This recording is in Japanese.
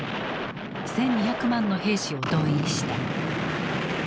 １，２００万の兵士を動員した。